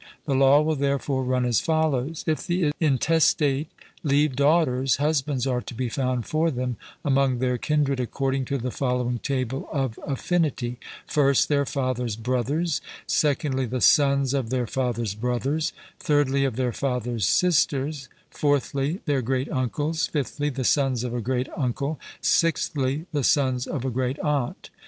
The law will therefore run as follows: If the intestate leave daughters, husbands are to be found for them among their kindred according to the following table of affinity: first, their father's brothers; secondly, the sons of their father's brothers; thirdly, of their father's sisters; fourthly, their great uncles; fifthly, the sons of a great uncle; sixthly, the sons of a great aunt.